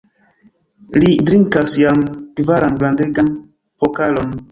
Li drinkas jam kvaran grandegan pokalon!